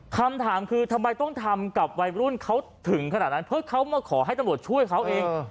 คำถามคือทำไมต้องทำกับวัยรุ่นเขาถึงขนาดนั้นเพราะเขามาขอให้ตำรวจช่วยเขาเอง